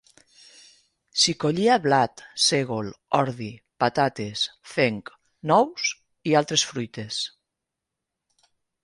S'hi collia blat, sègol, ordi, patates, fenc, nous i altres fruites.